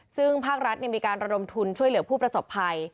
ซึ่งภาครัฐมีการระดมทุนช่วยเหลือผู้ประสบภัย